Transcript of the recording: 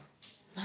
何？